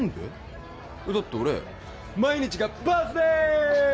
だって俺毎日がバースデー！